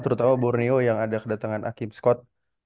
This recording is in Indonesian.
terutama borneo yang ada kedatangan akip scott